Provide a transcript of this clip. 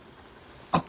あっ！